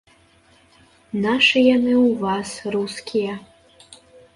Нашы яны ў вас, рускія.